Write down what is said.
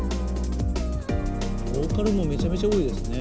ボーカルもめちゃめちゃ多いですね。